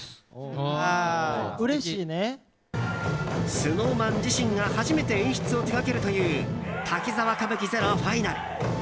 ＳｎｏｗＭａｎ自身が初めて演出を手掛けるという「滝沢歌舞伎ＺＥＲＯＦＩＮＡＬ」。